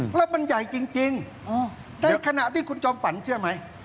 แล้วมันใหญ่จริงในขณะที่คุณจอมฝันเชื่อไหม